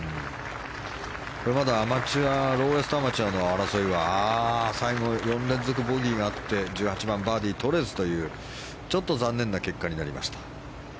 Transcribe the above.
これはまだローエストアマチュアの争いは最後、４連続ボギーがあって１８番、バーディーとれずというちょっと残念な結果になりました。